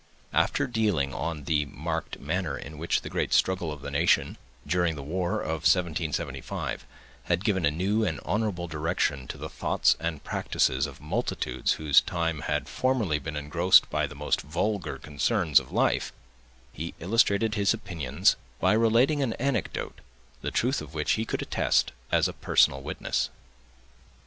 After dwelling on the marked manner in which the great struggle of the nation, during the war of 1775, had given a new and honorable direction to the thoughts and practices of multitudes whose time had formerly been engrossed by the most vulgar concerns of life, he illustrated his opinions by relating an anecdote, the truth of which he could attest as a personal witness.